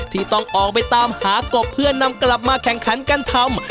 ที่ต้องออกไปตามหากบเพื่อนำกลับมาแข่งขันกันทำ